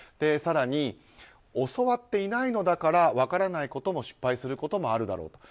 更に、教わっていないのだから分からないこと失敗することもあるだろう。